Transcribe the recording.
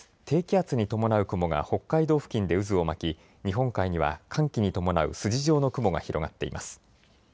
低気圧に伴う雲が北海道付近で渦を巻き日本海には寒気に伴う筋状の雲が広がっています。